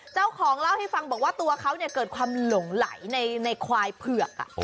เจ้าของเล่าให้ฟังบอกว่าตัวเขาเกิดความหลงไหลในควายเผือก